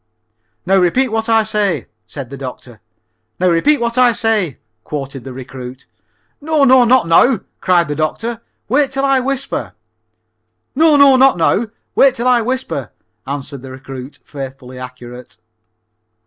"Now repeat what I say," said the doctor. "'Now repeat what I say,'" quoted the recruit. "No, no, not now," cried the doctor. "Wait till I whisper." "'No, no, not now. Wait till I whisper,'" answered the recruit, faithfully accurate.